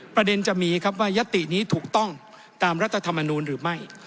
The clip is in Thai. ประเด็นจะมีครับว่ายัตตินี้ถูกต้องตามรัฐธรรมนูลหรือไม่